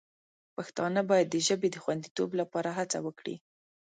پښتانه باید د ژبې د خوندیتوب لپاره هڅه وکړي.